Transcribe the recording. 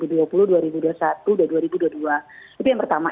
tapi yang pertama